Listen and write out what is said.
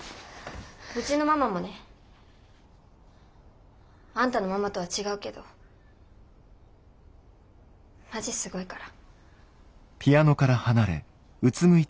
うちのママもねあんたのママとは違うけどマジすごいから。